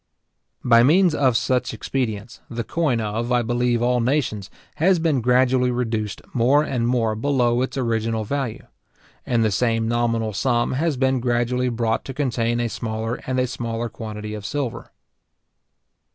By means of such expedients, the coin of, I believe, all nations, has been gradually reduced more and more below its original value, and the same nominal sum has been gradually brought to contain a smaller and a smaller quantity of silver.